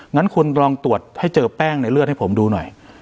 งั้นคุณลองตรวจให้เจอแป้งในเลือดให้ผมดูหน่อย